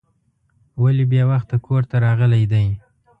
ولې بې وخته کور ته راغلی دی.